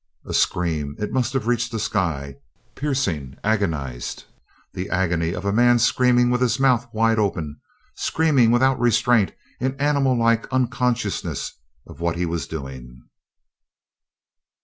A scream! It must have reached the sky. Piercing, agonized the agony of a man screaming with his mouth wide open screaming without restraint, in animal like unconsciousness of what he was doing.